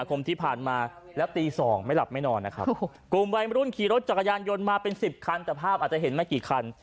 กลุ่มวัยรุ่นขี่รถจักรยานยนต์มาเป็น๑๐คันแต่ภาพอาจจะเห็นไม่กี่คัน